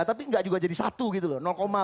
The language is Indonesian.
tapi nggak juga jadi satu gitu loh